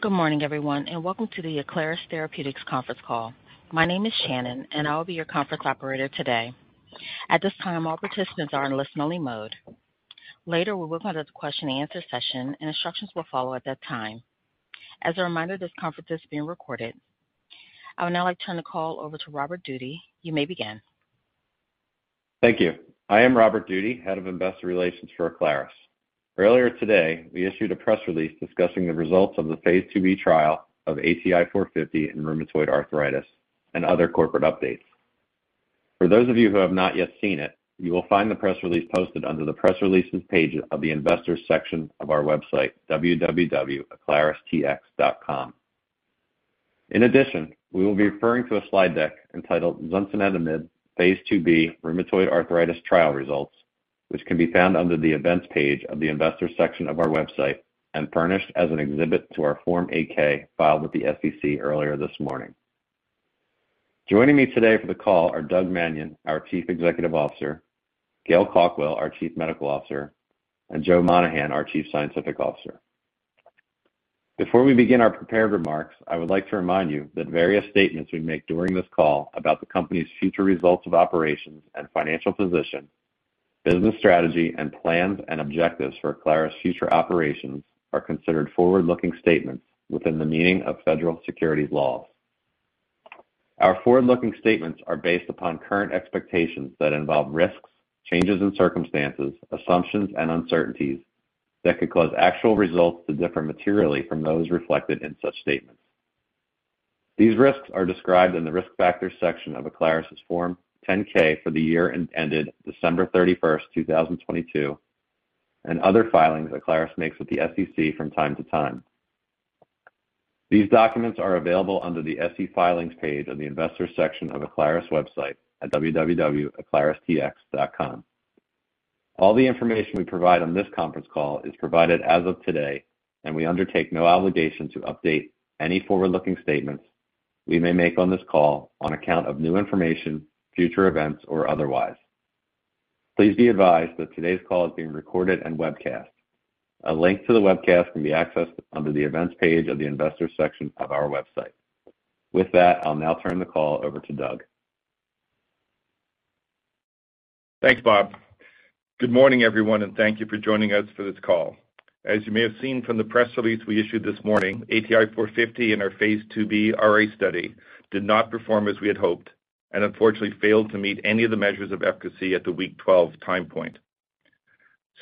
Good morning, everyone, and welcome to the Aclaris Therapeutics conference call. My name is Shannon, and I will be your conference operator today. At this time, all participants are in listen-only mode. Later, we will go to the question-and-answer session, and instructions will follow at that time. As a reminder, this conference is being recorded. I would now like to turn the call over to Robert Doody. You may begin. Thank you. I am Robert Doody, Head of Investor Relations for Aclaris. Earlier today, we issued a press release discussing the results of the phase II-B trial of ATI-450 in rheumatoid arthritis and other corporate updates. For those of you who have not yet seen it, you will find the press release posted under the Press Releases page of the Investors section of our website, www.aclaristx.com. In addition, we will be referring to a slide deck entitled Zunsemetinib phase II-B Rheumatoid Arthritis Trial Results, which can be found under the Events page of the Investors section of our website and furnished as an exhibit to our Form 8-K filed with the SEC earlier this morning. Joining me today for the call are Douglas Manion, our Chief Executive Officer, Gail Cawkwell, our Chief Medical Officer, and Joe Monahan, our Chief Scientific Officer. Before we begin our prepared remarks, I would like to remind you that various statements we make during this call about the company's future results of operations and financial position, business strategy, and plans and objectives for Aclaris' future operations are considered forward-looking statements within the meaning of federal securities laws. Our forward-looking statements are based upon current expectations that involve risks, changes in circumstances, assumptions, and uncertainties that could cause actual results to differ materially from those reflected in such statements. These risks are described in the Risk Factors section of Aclaris' Form 10-K for the year ended December 31st, 2022, and other filings Aclaris makes with the SEC from time to time. These documents are available under the SEC Filings page on the Investors section of Aclaris' website at www.aclaristx.com. All the information we provide on this conference call is provided as of today, and we undertake no obligation to update any forward-looking statements we may make on this call on account of new information, future events, or otherwise. Please be advised that today's call is being recorded and webcast. A link to the webcast can be accessed under the Events page of the Investors section of our website. With that, I'll now turn the call over to Doug. Thanks, Bob. Good morning, everyone, and thank you for joining us for this call. As you may have seen from the press release we issued this morning, ATI-450 in our phase II-B RA study did not perform as we had hoped and unfortunately failed to meet any of the measures of efficacy at the week 12 time point.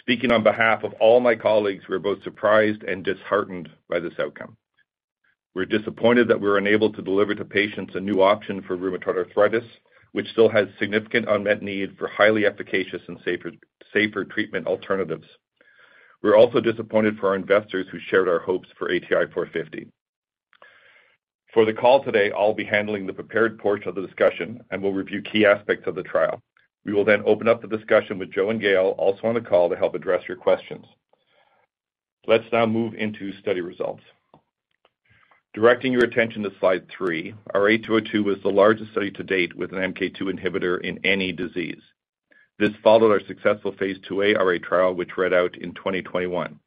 Speaking on behalf of all my colleagues, we're both surprised and disheartened by this outcome. We're disappointed that we're unable to deliver to patients a new option for rheumatoid arthritis, which still has significant unmet need for highly efficacious and safer, safer treatment alternatives. We're also disappointed for our investors who shared our hopes for ATI-450. For the call today, I'll be handling the prepared portion of the discussion and will review key aspects of the trial. We will then open up the discussion with Joe and Gail, also on the call, to help address your questions. Let's now move into study results. Directing your attention to slide 3, RA-202 was the largest study to date with an MK2 inhibitor in any disease. This followed our successful phase II-A RA trial, which read out in 2021.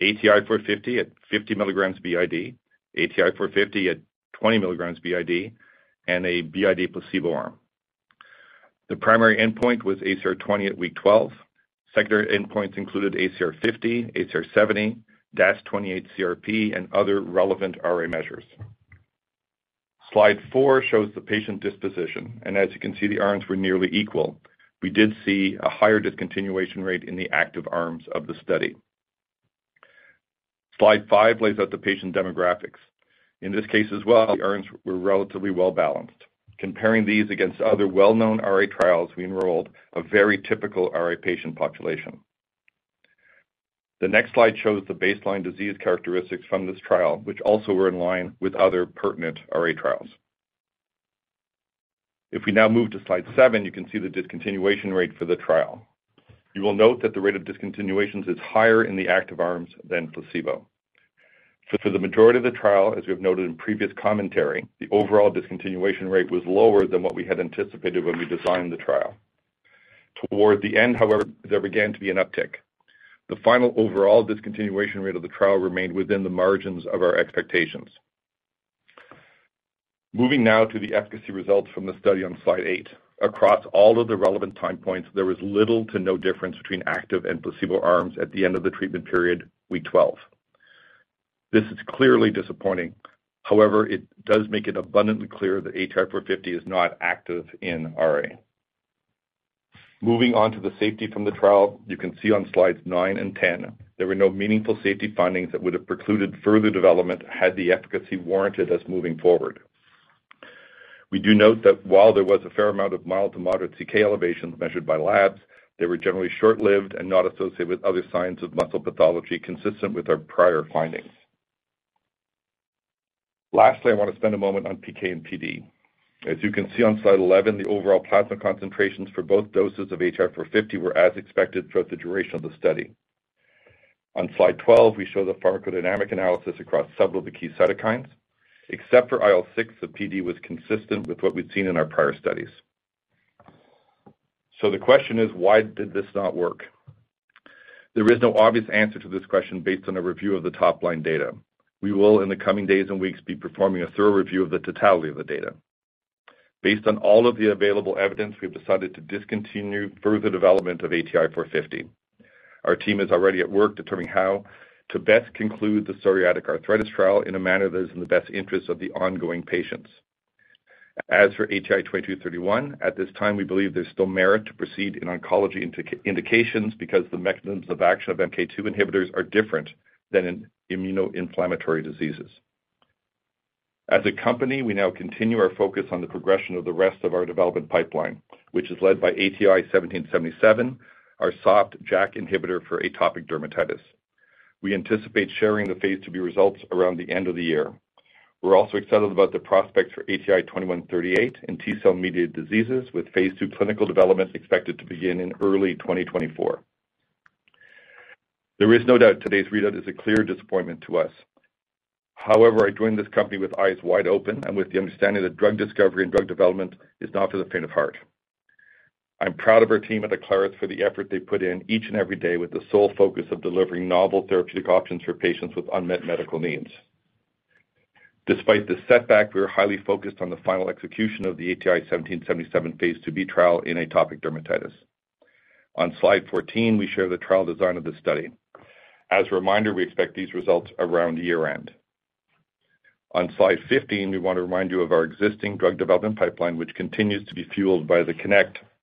RA-202 enrolled 251 patients across three arms: ATI-450 at 50 milligrams BID, ATI-450 at 20 milligrams BID, and a BID placebo arm. The primary endpoint was ACR-20 at week 12. Secondary endpoints included ACR-50, ACR-70, DAS28-CRP, and other relevant RA measures. Slide 4 shows the patient disposition, and as you can see, the arms were nearly equal. We did see a higher discontinuation rate in the active arms of the study. Slide 5 lays out the patient demographics. In this case as well, the arms were relatively well-balanced. Comparing these against other well-known RA trials, we enrolled a very typical RA patient population. The next slide shows the baseline disease characteristics from this trial, which also were in line with other pertinent RA trials. If we now move to slide 7, you can see the discontinuation rate for the trial. You will note that the rate of discontinuations is higher in the active arms than placebo. So for the majority of the trial, as we have noted in previous commentary, the overall discontinuation rate was lower than what we had anticipated when we designed the trial. Toward the end, however, there began to be an uptick. The final overall discontinuation rate of the trial remained within the margins of our expectations. Moving now to the efficacy results from the study on slide 8. Across all of the relevant time points, there was little to no difference between active and placebo arms at the end of the treatment period, week 12. This is clearly disappointing. However, it does make it abundantly clear that ATI-450 is not active in RA. Moving on to the safety from the trial. You can see on slides 9 and 10, there were no meaningful safety findings that would have precluded further development had the efficacy warranted us moving forward. We do note that while there was a fair amount of mild to moderate CK elevations measured by labs, they were generally short-lived and not associated with other signs of muscle pathology, consistent with our prior findings. Lastly, I want to spend a moment on PK and PD. As you can see on slide 11, the overall plasma concentrations for both doses of ATI-450 were as expected throughout the duration of the study. On slide 12, we show the pharmacodynamic analysis across several of the key cytokines. Except for IL-6, the PD was consistent with what we'd seen in our prior studies. So the question is, why did this not work? There is no obvious answer to this question based on a review of the top line data. We will, in the coming days and weeks, be performing a thorough review of the totality of the data. Based on all of the available evidence, we've decided to discontinue further development of ATI-450. Our team is already at work determining how to best conclude the psoriatic arthritis trial in a manner that is in the best interest of the ongoing patients. As for ATI-2231, at this time, we believe there's still merit to proceed in oncology indications because the mechanisms of action of MK2 inhibitors are different than in immunoinflammatory diseases. As a company, we now continue our focus on the progression of the rest of our development pipeline, which is led by ATI-1777, our soft JAK inhibitor for atopic dermatitis. We anticipate sharing the phase II-B results around the end of the year. We're also excited about the prospects for ATI-2138 in T-cell-mediated diseases, with phase II clinical development expected to begin in early 2024. There is no doubt today's readout is a clear disappointment to us. However, I joined this company with eyes wide open and with the understanding that drug discovery and drug development is not for the faint of heart. I'm proud of our team at Aclaris for the effort they put in each and every day with the sole focus of delivering novel therapeutic options for patients with unmet medical needs. Despite this setback, we are highly focused on the final execution of the ATI-1777 phase II-B trial in atopic dermatitis. On Slide 14, we share the trial design of the study. As a reminder, we expect these results around year-end. On Slide 15, we want to remind you of our existing drug development pipeline, which continues to be fueled by the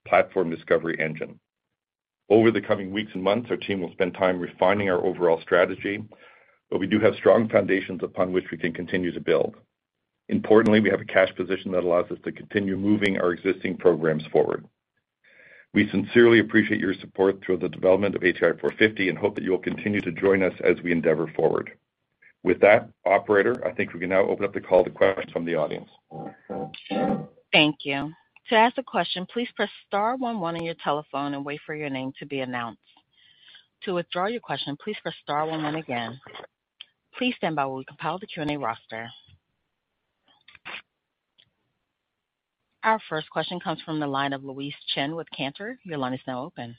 KINect platform discovery engine. Over the coming weeks and months, our team will spend time refining our overall strategy, but we do have strong foundations upon which we can continue to build. Importantly, we have a cash position that allows us to continue moving our existing programs forward. We sincerely appreciate your support through the development of ATI-450 and hope that you will continue to join us as we endeavor forward. With that, operator, I think we can now open up the call to questions from the audience. Thank you. To ask a question, please press star one one on your telephone and wait for your name to be announced. To withdraw your question, please press star one one again. Please stand by while we compile the Q&A roster. Our first question comes from the line of Louise Chen with Cantor. Your line is now open.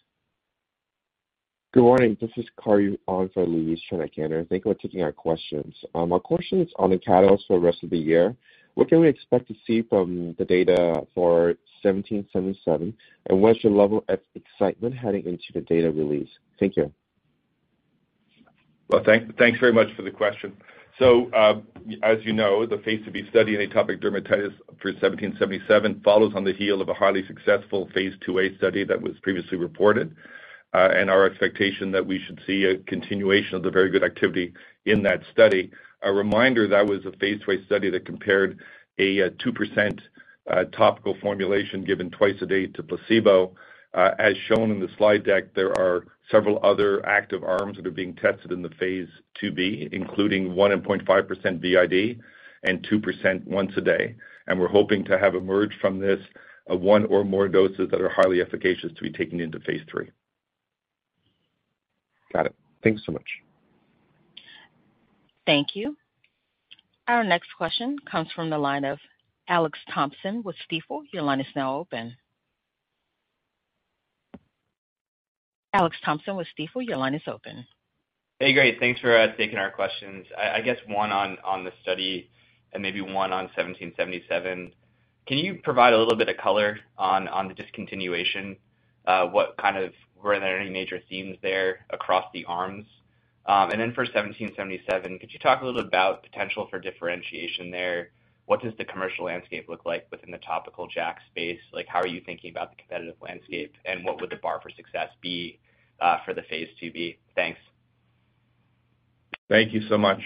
Good morning. This is Gary on for Louise Chen at Cantor. Thank you for taking our questions. My question is on the catalyst for the rest of the year. What can we expect to see from the data for 1777, and what's your level of excitement heading into the data release? Thank you. Well, thanks very much for the question. So, as you know, the phase II-B study in atopic dermatitis for 1777 follows on the heels of a highly successful phase II-A study that was previously reported, and our expectation that we should see a continuation of the very good activity in that study. A reminder, that was a phase II-A study that compared a 2% topical formulation given twice a day to placebo. As shown in the slide deck, there are several other active arms that are being tested in the phase II-B, including 1.5% BID and 2% once a day. And we're hoping to have emerged from this one or more doses that are highly efficacious to be taken into phase III. Got it. Thank you so much. Thank you. Our next question comes from the line of Alex Thompson with Stifel. Your line is now open. Alex Thompson with Stifel, your line is open. Hey, great. Thanks for taking our questions. I guess one on the study and maybe one on 1777. Can you provide a little bit of color on the discontinuation? What kind of were there any major themes there across the arms? And then for 1777, could you talk a little bit about potential for differentiation there? What does the commercial landscape look like within the topical JAK space? Like, how are you thinking about the competitive landscape, and what would the bar for success be for the phase II-B? Thanks. Thank you so much.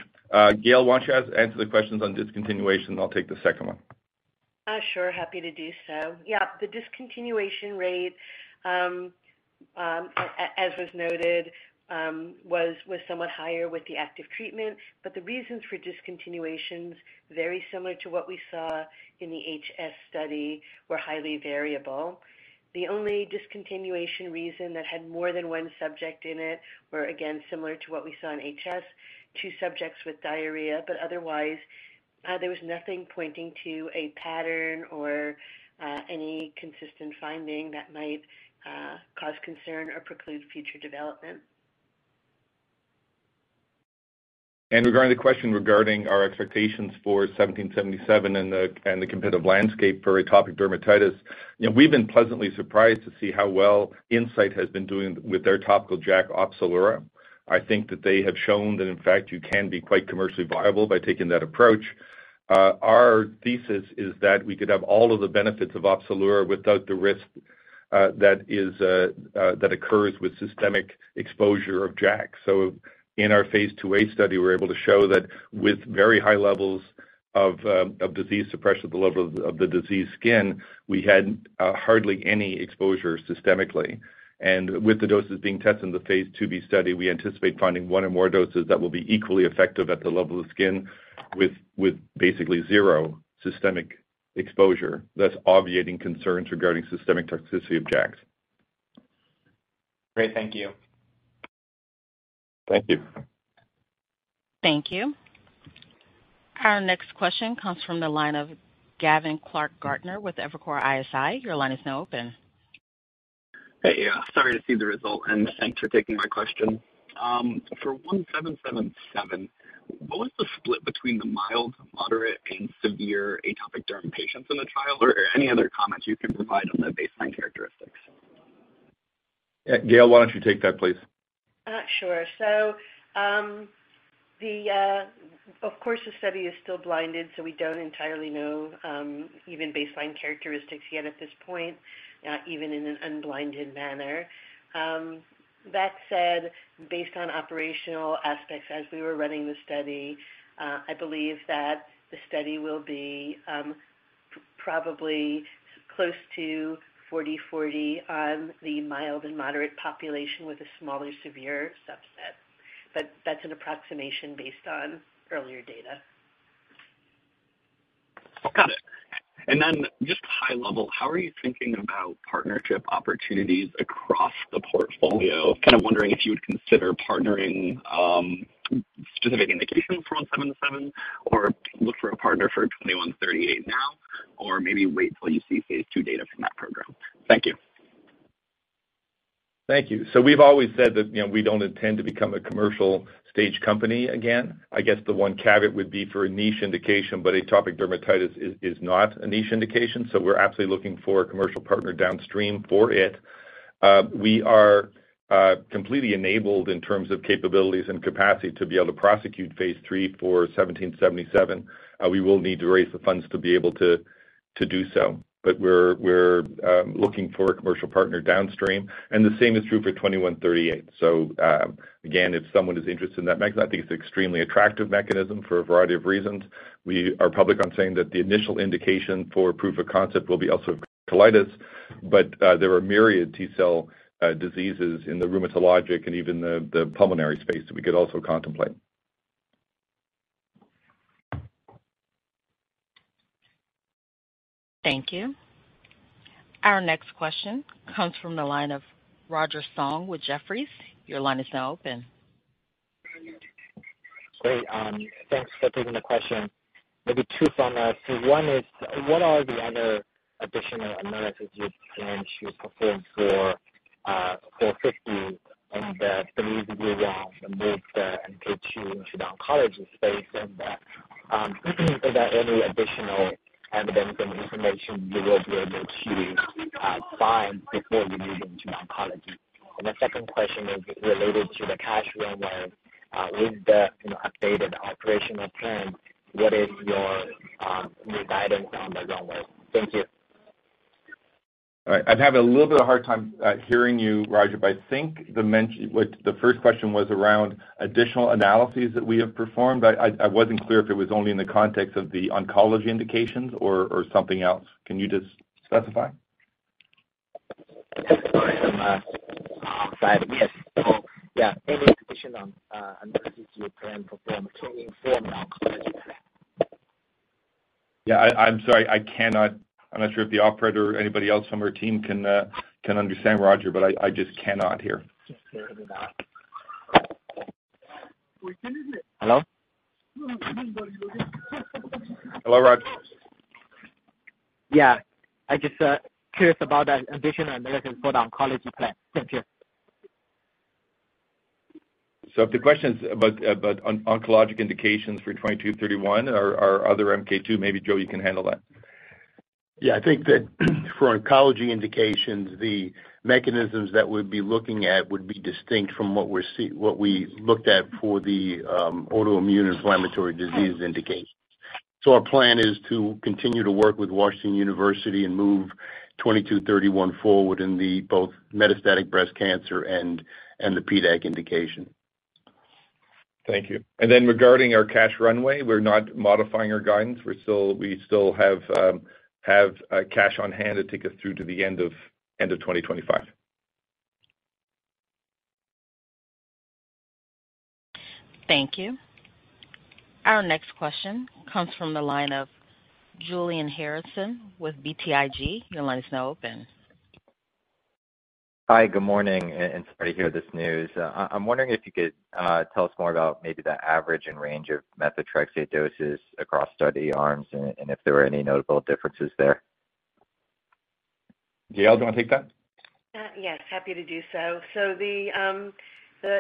Gail, why don't you answer the questions on discontinuation. I'll take the second one. Sure. Happy to do so. Yeah, the discontinuation rate, as was noted, was somewhat higher with the active treatment, but the reasons for discontinuations, very similar to what we saw in the HS study, were highly variable. The only discontinuation reason that had more than one subject in it were, again, similar to what we saw in HS, two subjects with diarrhea. But otherwise, there was nothing pointing to a pattern or any consistent finding that might cause concern or preclude future development. Regarding the question regarding our expectations for 1777 and the competitive landscape for atopic dermatitis, you know, we've been pleasantly surprised to see how well Incyte has been doing with their topical JAK, Opzelura. I think that they have shown that, in fact, you can be quite commercially viable by taking that approach. Our thesis is that we could have all of the benefits of Opzelura without the risk, that is, that occurs with systemic exposure of JAK. So in our phase II-A study, we're able to show that with very high levels of disease suppression at the level of the diseased skin, we had hardly any exposure systemically. With the doses being tested in the phase II-B study, we anticipate finding one or more doses that will be equally effective at the level of skin with basically zero systemic exposure, thus obviating concerns regarding systemic toxicity of JAKs. Great. Thank you. Thank you. Thank you. Our next question comes from the line of Gavin Clark-Gartner with Evercore ISI. Your line is now open. Hey, sorry to see the result, and thanks for taking my question. For 1777, what was the split between the mild, moderate, and severe atopic derm patients in the trial, or any other comments you can provide on the baseline characteristics? Gail, why don't you take that, please? Sure. So, of course, the study is still blinded, so we don't entirely know even baseline characteristics yet at this point, even in an unblinded manner. That said, based on operational aspects as we were running the study, I believe that the study will be probably close to 40/40 on the mild and moderate population with a smaller, severe subset. But that's an approximation based on earlier data. Got it. And then just high level, how are you thinking about partnership opportunities across the portfolio? Kind of wondering if you would consider partnering, specific indications for 1777, or look for a partner for 2138 now, or maybe wait till you see phase II data from that program. Thank you. Thank you. So we've always said that, you know, we don't intend to become a commercial stage company again. I guess the one caveat would be for a niche indication, but atopic dermatitis is not a niche indication, so we're absolutely looking for a commercial partner downstream for it. We are completely enabled in terms of capabilities and capacity to be able to prosecute phase III for 1777. We will need to raise the funds to be able to do so. But we're looking for a commercial partner downstream, and the same is true for 2138. So, again, if someone is interested in that mechanism, I think it's an extremely attractive mechanism for a variety of reasons. We are public on saying that the initial indication for proof of concept will be ulcerative colitis, but there are myriad T cell diseases in the rheumatologic and even the pulmonary space that we could also contemplate. Thank you. Our next question comes from the line of Roger Song with Jefferies. Your line is now open. Great. Thanks for taking the question. There'll be two from us. So one is, what are the other additional analyses you plan to perform for 450, and that the reason you want to move the MK2 into the oncology space, and are there any additional evidence and information you will be able to find before you move into oncology? And the second question is related to the cash runway. With the, you know, updated operational plan, what is your new guidance on the runway? Thank you. All right. I'm having a little bit of a hard time hearing you, Roger, but I think the first question was around additional analyses that we have performed. I wasn't clear if it was only in the context of the oncology indications or something else. Can you just specify? Sorry about that. Yes. So, yeah, any addition on analysis you plan to perform to inform the oncology? Yeah, I'm sorry. I cannot... I'm not sure if the operator or anybody else on our team can understand Roger, but I just cannot hear. Hello? Hello, Roger. Yeah. I just, curious about the additional analysis for the oncology plan. Thank you. So if the question is about oncologic indications for 2231 or other MK2, maybe, Joe, you can handle that. Yeah. I think that for oncology indications, the mechanisms that we'd be looking at would be distinct from what we looked at for the autoimmune inflammatory disease indications. So our plan is to continue to work with Washington University and move ATI-2231 forward in both metastatic breast cancer and the PDAC indication. Thank you. And then regarding our cash runway, we're not modifying our guidance. We still have cash on hand to take us through to the end of 2025. Thank you. Our next question comes from the line of Julian Harrison with BTIG. Your line is now open. Hi, good morning, and sorry to hear this news. I, I'm wondering if you could tell us more about maybe the average and range of methotrexate doses across study arms and, and if there were any notable differences there? Gail, do you want to take that? Yes, happy to do so. So the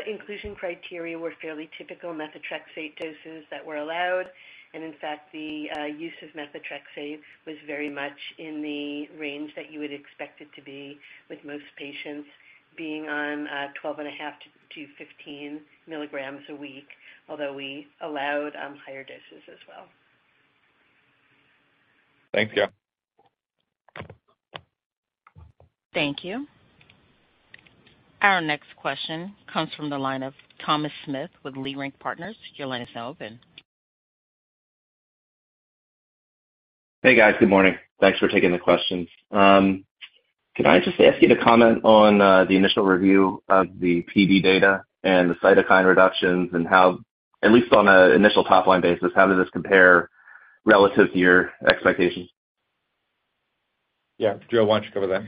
inclusion criteria were fairly typical methotrexate doses that were allowed, and in fact, the use of methotrexate was very much in the range that you would expect it to be, with most patients being on 12.5-15 milligrams a week, although we allowed higher doses as well. Thanks, Gail. Thank you. Our next question comes from the line of Thomas Smith with Leerink Partners. Your line is now open. Hey, guys. Good morning. Thanks for taking the questions. Can I just ask you to comment on the initial review of the PD data and the cytokine reductions, and how, at least on an initial top-line basis, how does this compare relative to your expectations? Yeah, Joe, why don't you cover that?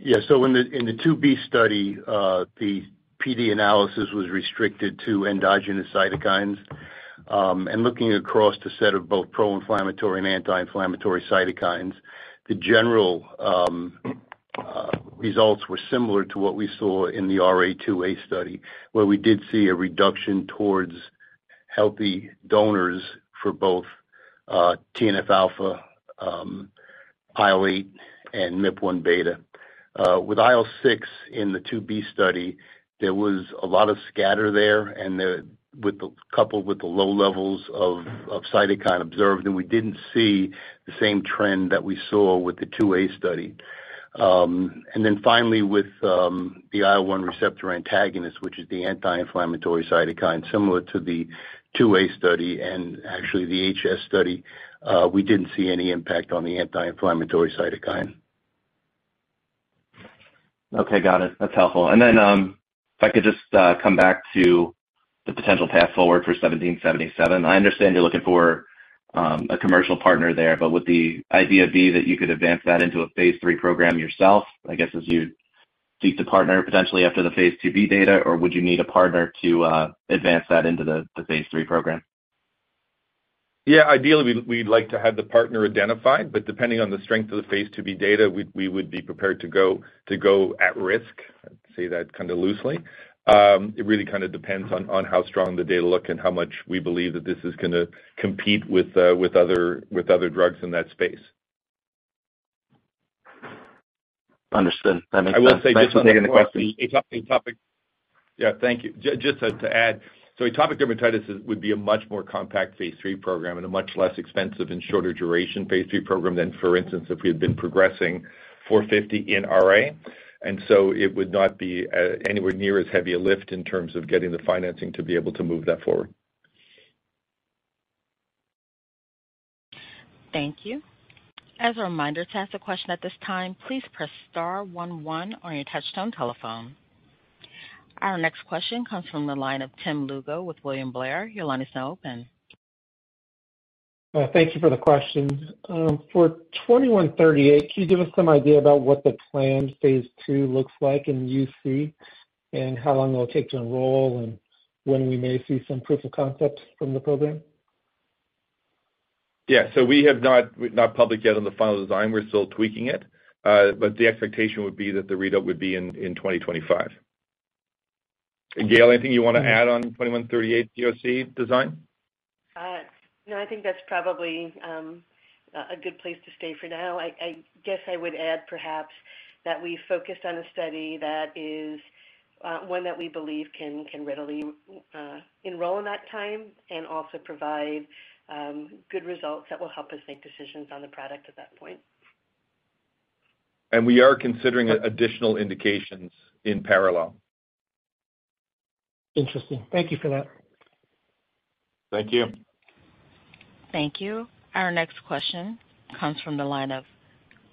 Yeah. So in the II-B study, the PD analysis was restricted to endogenous cytokines. And looking across the set of both pro-inflammatory and anti-inflammatory cytokines, the general results were similar to what we saw in the RA II-A study, where we did see a reduction towards healthy donors for both TNF alpha, IL-8, and MIP-1β. With IL-6 in the II-B study, there was a lot of scatter there, and, coupled with the low levels of cytokine observed, we didn't see the same trend that we saw with the II-A study. And then finally, with the IL-1 receptor antagonist, which is the anti-inflammatory cytokine, similar to the II-A study and actually the HS study, we didn't see any impact on the anti-inflammatory cytokine. Okay, got it. That's helpful. And then, if I could just, come back to the potential path forward for 1777. I understand you're looking for, a commercial partner there, but would the idea be that you could advance that into a phase III program yourself, I guess, as you seek to partner potentially after the phase II-B data? Or would you need a partner to, advance that into the phase III program? Yeah, ideally, we'd like to have the partner identified, but depending on the strength of the phase II-B data, we would be prepared to go at risk. I'd say that kind of loosely. It really kind of depends on how strong the data look and how much we believe that this is gonna compete with other drugs in that space. Understood. That makes sense. I will say- Thanks for taking the question. Atopic... Yeah, thank you. Just to add, so atopic dermatitis is would be a much more compact phase III program and a much less expensive and shorter duration phase III program than, for instance, if we had been progressing 450 in RA. And so it would not be anywhere near as heavy a lift in terms of getting the financing to be able to move that forward. Thank you. As a reminder, to ask a question at this time, please press star one one on your touchtone telephone. Our next question comes from the line of Tim Lugo with William Blair. Your line is now open. Thank you for the question. For ATI-2138, can you give us some idea about what the planned phase II looks like in UC, and how long it'll take to enroll, and when we may see some proof of concept from the program? Yeah. So we have not public yet on the final design. We're still tweaking it. But the expectation would be that the readout would be in 2025. Gail, anything you wanna add on 2138 UC design? No, I think that's probably a good place to stay for now. I guess I would add perhaps that we focused on a study that is one that we believe can readily enroll in that time and also provide good results that will help us make decisions on the product at that point. We are considering additional indications in parallel. Interesting. Thank you for that. Thank you. Thank you. Our next question comes from the line of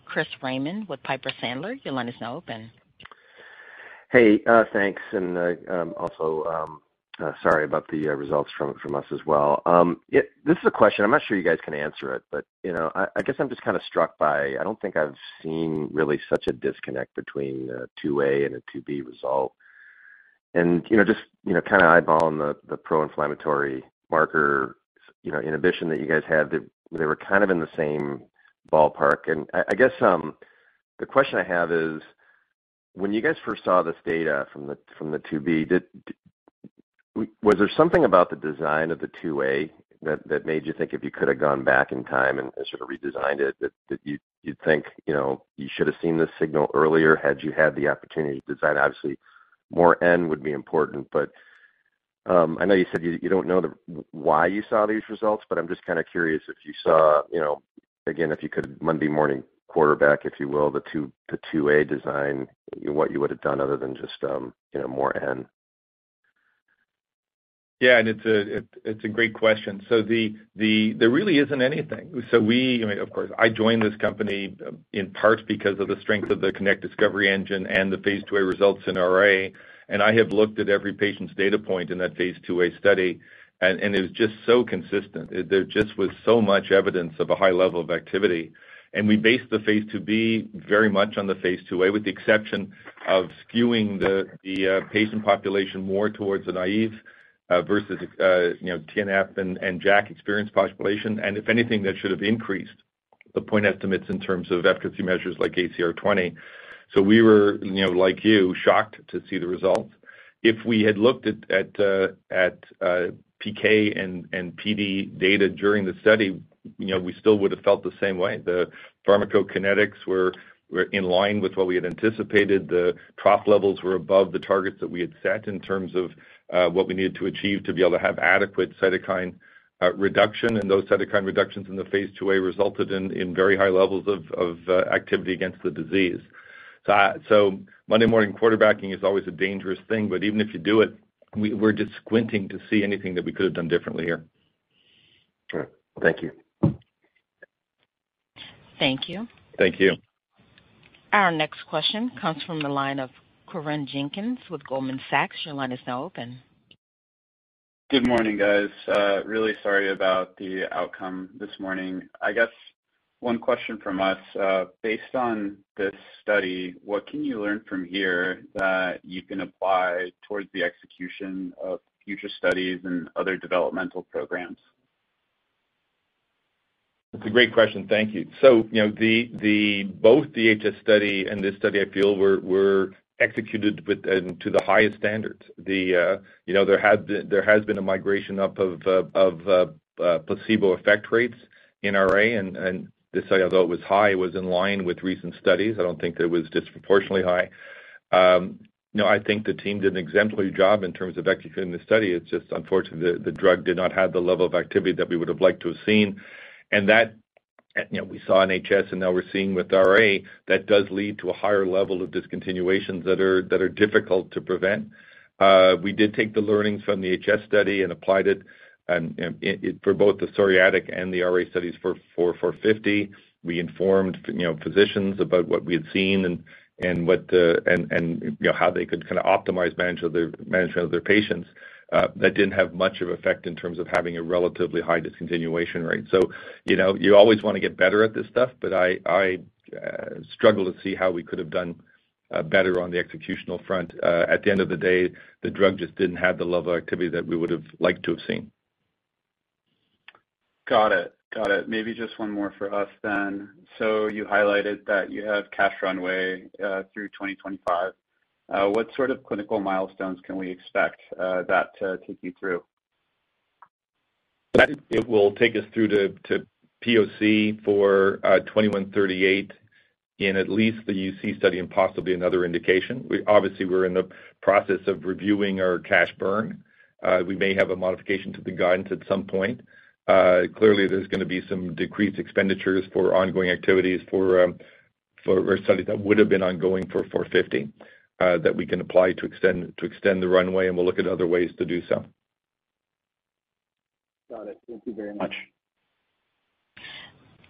Chris Raymond with Piper Sandler. Your line is now open. Hey, thanks, and also, sorry about the results from us as well. This is a question I'm not sure you guys can answer it, but, you know, I guess I'm just kind of struck by I don't think I've seen really such a disconnect between a II-A and a II-B result. And, you know, just kind of eyeballing the pro-inflammatory marker inhibition that you guys had, they were kind of in the same ballpark. I guess the question I have is: when you guys first saw this data from the II-B, was there something about the design of the II-A that made you think if you could have gone back in time and sort of redesigned it, that you'd think, you know, you should have seen this signal earlier, had you had the opportunity to design? Obviously, more N would be important, but I know you said you don't know why you saw these results, but I'm just kind of curious if you saw, you know. Again, if you could Monday morning quarterback, if you will, the II-A design, what you would have done other than just you know, more than that. Yeah, and it's a great question. So there really isn't anything. So we, I mean, of course, I joined this company in part because of the strength of the KINect discovery engine and the phase II-A results in RA, and I have looked at every patient's data point in that phase II-A study, and it was just so consistent. There just was so much evidence of a high level of activity, and we based the phase II-B very much on the phase II-A, with the exception of skewing the patient population more towards the naive versus you know, TNF and JAK experienced population. And if anything, that should have increased the point estimates in terms of efficacy measures like ACR-20. So we were, you know, like you, shocked to see the results. If we had looked at PK and PD data during the study, you know, we still would have felt the same way. The pharmacokinetics were in line with what we had anticipated. The trough levels were above the targets that we had set in terms of what we needed to achieve to be able to have adequate cytokine reduction, and those cytokine reductions in the phase II-A resulted in very high levels of activity against the disease. So, Monday morning quarterbacking is always a dangerous thing, but even if you do it, we're just squinting to see anything that we could have done differently here.... Sure. Thank you. Thank you. Thank you. Our next question comes from the line of Corinne Jenkins with Goldman Sachs. Your line is now open. Good morning, guys. Really sorry about the outcome this morning. I guess one question from us, based on this study, what can you learn from here that you can apply towards the execution of future studies and other developmental programs? That's a great question. Thank you. So, you know, both the HS study and this study, I feel, were executed to the highest standards. You know, there has been a migration up of placebo effect rates in RA, and this study, although it was high, was in line with recent studies. I don't think it was disproportionately high. You know, I think the team did an exemplary job in terms of executing the study. It's just, unfortunately, the drug did not have the level of activity that we would have liked to have seen. And that, you know, we saw in HS and now we're seeing with RA, that does lead to a higher level of discontinuations that are difficult to prevent. We did take the learnings from the HS study and applied it for both the psoriatic and the RA studies for 450. We informed, you know, physicians about what we had seen and, you know, how they could kind of optimize management of their patients. That didn't have much effect in terms of having a relatively high discontinuation rate. So, you know, you always want to get better at this stuff, but I struggle to see how we could have done better on the executional front. At the end of the day, the drug just didn't have the level of activity that we would have liked to have seen. Got it. Got it. Maybe just one more for us then. So you highlighted that you have cash runway through 2025. What sort of clinical milestones can we expect that to take you through? It will take us through to POC for 2138 in at least the UC study and possibly another indication. We obviously, we're in the process of reviewing our cash burn. We may have a modification to the guidance at some point. Clearly, there's going to be some decreased expenditures for ongoing activities for studies that would have been ongoing for 450, that we can apply to extend the runway, and we'll look at other ways to do so. Got it. Thank you very much.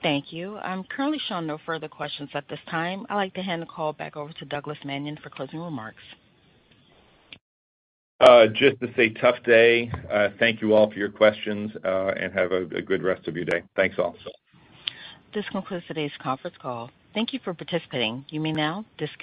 Thank you. I'm currently showing no further questions at this time. I'd like to hand the call back over to Douglas Manion for closing remarks. Just to say, tough day. Thank you all for your questions, and have a good rest of your day. Thanks, all. This concludes today's conference call. Thank you for participating. You may now disconnect.